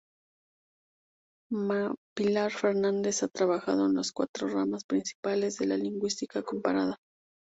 Mª Pilar Fernández ha trabajado en las cuatro ramas principales de la lingüística comparada.